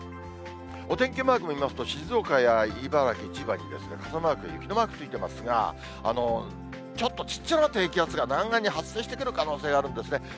お天気マークを見ますと、静岡や茨城、千葉に傘マーク、雪のマークついていますが、ちょっとちっちゃな低気圧が南岸に発生してくる可能性があるんですね。